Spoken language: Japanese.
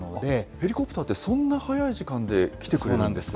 ヘリコプターってそんな早い時間で来てくれるんですか。